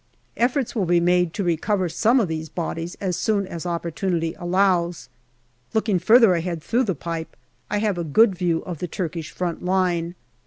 Efforts will be made to recover some of these bodies as soon as opportunity allows. Looking further ahead through the pipe, I have a good view of the Turkish front line.